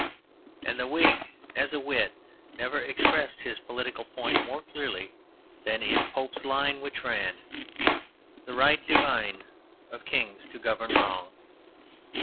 And the Whig as a wit never expressed his political point more clearly than in Pope's line which ran: "The right divine of kings to govern wrong."